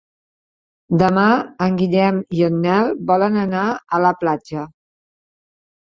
Demà en Guillem i en Nel volen anar a la platja.